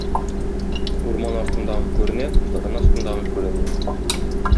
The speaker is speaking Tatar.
Урман артындагы күренә, борын астындагы күренми.